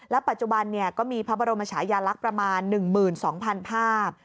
ปัจจุบันก็มีพระบรมชายาลักษณ์ประมาณ๑๒๐๐๐ภาพ